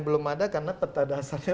belum ada karena peta dasarnya